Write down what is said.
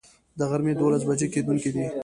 د غرمي دولس بجي کیدونکی دی